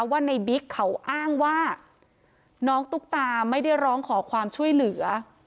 ว่าในบิ๊กเขาอ้างว่าน้องตุ๊กตาไม่ได้ร้องขอความช่วยเหลือ